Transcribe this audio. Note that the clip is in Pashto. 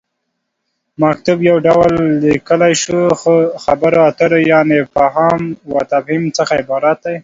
مکتوب: یو ډول ليکل شويو خبرو اترو یعنې فهام وتفهيم څخه عبارت دی